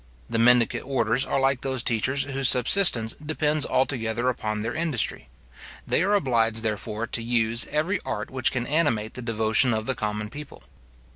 The mendicant orders are like those teachers whose subsistence depends altogether upon their industry. They are obliged, therefore, to use every art which can animate the devotion of the common people.